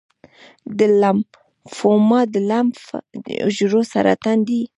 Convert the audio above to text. د لمفوما د لمف حجرو سرطان دی.